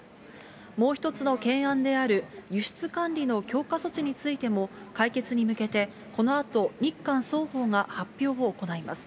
もう１つの懸案である輸出管理の強化措置についても、解決に向けてこのあと、日韓双方が発表を行います。